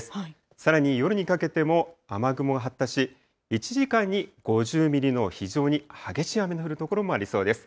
さらに夜にかけても雨雲が発達し、１時間に５０ミリの非常に激しい雨の降る所もありそうです。